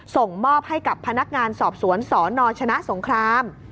ส่งมอบให้กับพนักงานสอบสวนสนชนะสงคราม